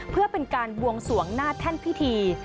เพื่อเป็นการบวงสวงหน้าแท่นพิธี